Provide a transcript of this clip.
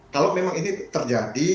kalau memang ini terjadi